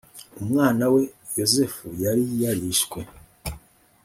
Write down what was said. umwana we yozefu yari yarishwe.